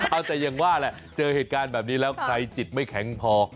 เอาแต่อย่างว่าแหละเจอเหตุการณ์แบบนี้แล้วใครจิตไม่แข็งพอ